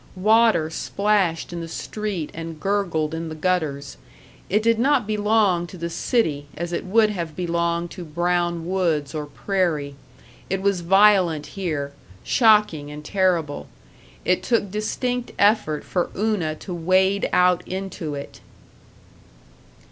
Water splashed in the street and gurgled in the gutters. It did not belong to the city as it would have belonged to brown woods or prairie. It was violent here, shocking and terrible. It took distinct effort for Una to wade out into it.